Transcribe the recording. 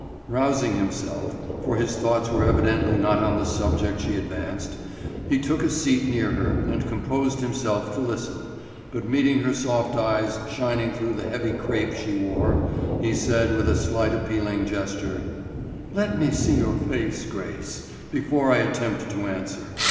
Rousing himself, for his thoughts were evidently not on the subject she advanced, he took a seat near her and composed himself to listen, but meeting her soft eyes shining through the heavy crape she wore, he said with a slight appealing gesture: "Let me see your face, Grace, before I attempt to answer.